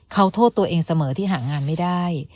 เขาโทษตัวเองเสมอที่หางานไม่ได้